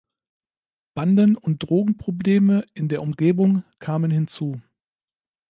Banden- und Drogenprobleme in der Umgebung kamen hinzu.